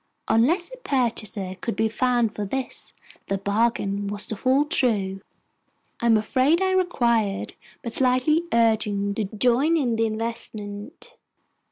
Unless a purchaser could be found for this, the bargain was to fall through. I am afraid I required but slight urging to join in the investment.